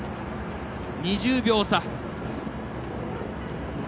２０秒差。